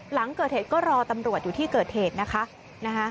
หลังเกิดเหตุก็รอตำรวจอยู่ที่เกิดเหตุนะคะ